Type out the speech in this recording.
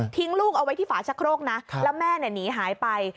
ลูกเอาไว้ที่ฝาชะโครกนะแล้วแม่หนีหายไป